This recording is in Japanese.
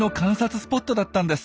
スポットだったんです。